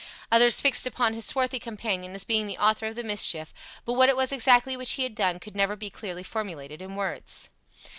Others fixed upon his swarthy companion as being the author of the mischief, but what it was exactly which he had done could never be clearly formulated in words.